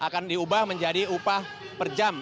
dan diubah menjadi upah per jam